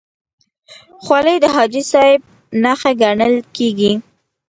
خولۍ د حاجي صاحب نښه ګڼل کېږي.